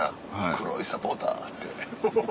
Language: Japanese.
黒いサポーターあって。